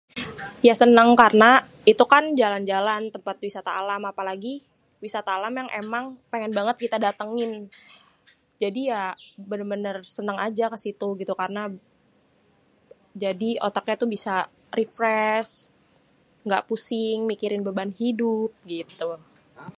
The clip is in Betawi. Ya seneng, karena itu kan jalan-jalan tempat wisata alam apalagi wisata alam yang emang pengen banget kita datengin. Jadi ya bener-bener aja seneng ke situ karena jadi otaknya bisa refresh, engga pusing mikirin beban hidup gitu.